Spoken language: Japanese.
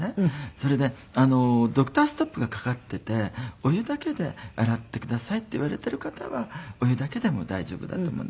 それでドクターストップがかかっていてお湯だけで洗ってくださいって言われている方はお湯だけでも大丈夫だと思うんですけど。